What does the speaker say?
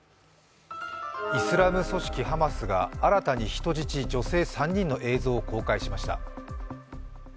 イスラム組織ハマスが新たに人質女性３人の映像を公開しました。